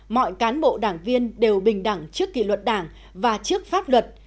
mọi cán bộ đảng viên đều bình đẳng trước kỷ luật đảng và trước pháp luật